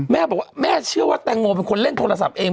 แม่บอกว่าแม่เชื่อว่าแตงโมเป็นคนเล่นโทรศัพท์เอง